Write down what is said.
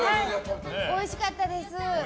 おいしかったです。